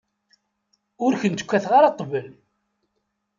Ur kent-kkateɣ ara ṭṭbel.